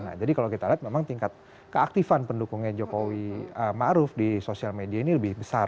nah jadi kalau kita lihat memang tingkat keaktifan pendukungnya jokowi ma'ruf di social media ini lebih besar